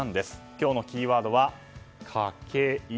今日のキーワードはカケイ。